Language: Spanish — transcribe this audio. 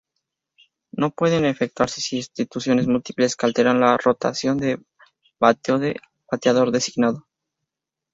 No pueden efectuarse sustituciones múltiples que alteren la rotación de bateo del Bateador Designado.